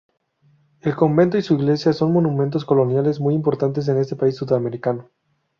El convento y su iglesia son monumentos coloniales muy importantes en ese país sudamericano.